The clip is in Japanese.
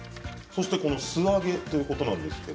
素揚げということなんですが。